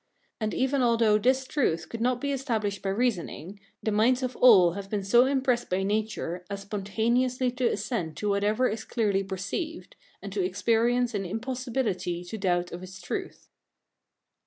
And even although this truth could not be established by reasoning, the minds of all have been so impressed by nature as spontaneously to assent to whatever is clearly perceived, and to experience an impossibility to doubt of its truth.